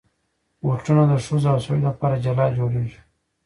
بوټونه د ښځو او سړیو لپاره جلا جوړېږي.